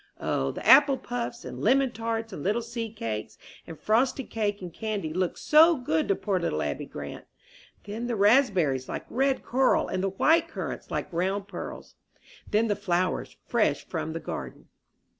O, the apple puffs, and lemon tarts, and little seed cakes, and frosted cake, and candy, looked so good to poor little Abby Grant! Then the raspberries, like red coral, and the white currants, like round pearls! Then the flowers, fresh from the garden!